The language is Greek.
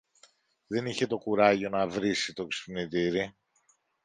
Δεν είχε το κουράγιο να βρίσει το ξυπνητήρι